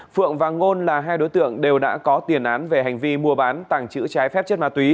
phượng và ngôn là hai đối tượng đều đã có tiền án về hành vi mua bán tàng trữ trái phép chất ma túy